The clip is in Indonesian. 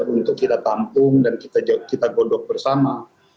untuk kita tampung dan kita godok bersama